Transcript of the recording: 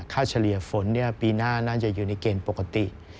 เฉลี่ยฝนปีหน้าน่าจะอยู่ในเกณฑ์ปกติ